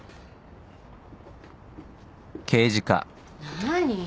何！？